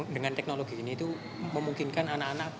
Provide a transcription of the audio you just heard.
dengan teknologi ini itu memungkinkan anak anak